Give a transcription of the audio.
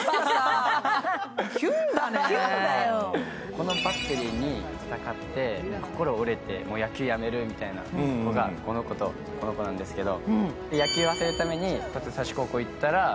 このバッテリーと戦って、心が折れて、野球辞めるみたいなのがこの子と、この子なんですけど。